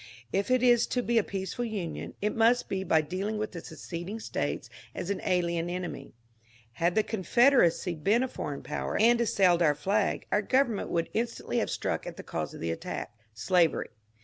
If it is to be a peaceful Union it must be by dealing with the seceding States as an alien enemy. Had the Confederacy been a foreign power and assailed our flag, our government would instantly have struck at the cause of the attack — slavery.